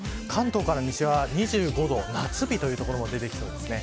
関東から西は２５度夏日という所も出てきそうです。